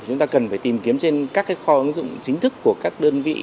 thì chúng ta cần phải tìm kiếm trên các cái kho ứng dụng chính thức của các đơn vị